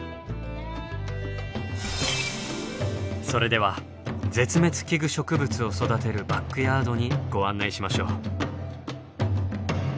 それでは絶滅危惧植物を育てるバックヤードにご案内しましょう。